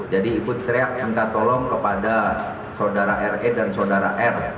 jadi ibu teriak minta tolong kepada saudara r e dan saudara r